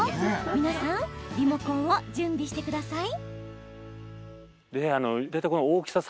皆さんリモコンを準備してください。